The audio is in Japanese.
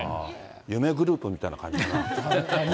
夢グループみたいな感じかな？